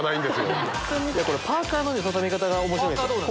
パーカの畳み方が面白いんすよ。